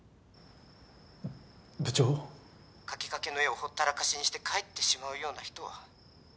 描きかけの絵をほったらかしにして帰ってしまうような人は。